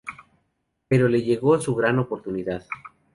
Pero le llegó su gran oportunidad.